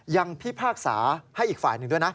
พิพากษาให้อีกฝ่ายหนึ่งด้วยนะ